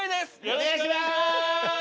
お願いします！